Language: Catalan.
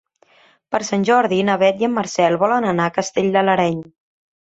Per Sant Jordi na Beth i en Marcel volen anar a Castell de l'Areny.